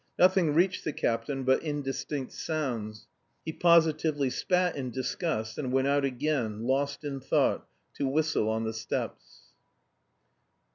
Nothing reached the captain but indistinct sounds. He positively spat in disgust, and went out again, lost in thought, to whistle on the steps.